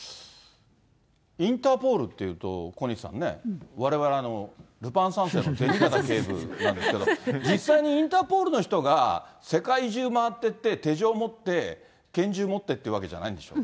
インターポールっていうと、小西さんね、われわれ、ルパン三世の銭形警部なんですけれども、実際にインターポールの人が、世界中回っていって手錠持って、拳銃持ってってわけじゃないんでしょ。